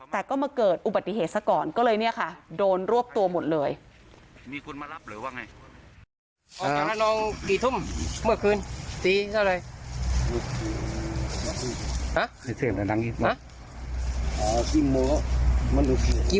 แต่ก็เมื่อเกิดอุบัติเหตุซะก่อนก็เลยเนี่ยค่ะโดนรวบตัวหมดเลยมีคุณมารับหรือว่าไง